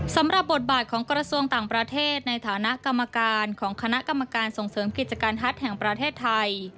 สำหรับบทบาทของกระทรวงต่างประเทศในฐานะกรรมการของคณะกรรมการส่งเสริมกิจการฮัทแห่งประเทศไทย